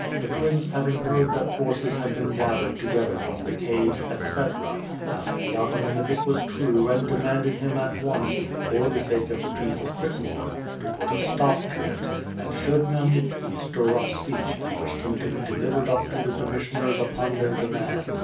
The prince having heard that forces liad been gathered together from the caves, etc., asked tlie ataman if it was true and de manded him at once, for the sake of the peace of Christen dom, to put a stop to it; and should Khmyelnitski stir up Sich he wished him to be delivered up to the commissioners upon their demand.